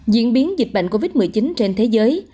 diễn biến dịch bệnh covid một mươi chín trên thế giới